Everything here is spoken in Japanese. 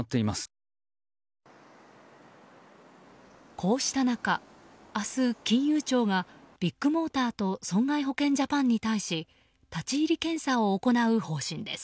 こうした中明日、金融庁がビッグモーターと損害保険ジャパンに対し立ち入り検査を行う方針です。